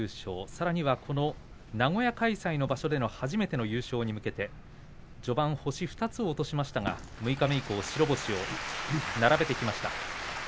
さらに、この名古屋開催での場所での初めての優勝に向けて序盤、星を２つ落としましたが六日目以降白星を並べてきました。